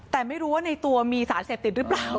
แต่ไม่รู้ว่าในตัวมีสารเสียบ้างรึเปล่า